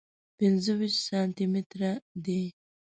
پنځه ویشت سانتي متره دی.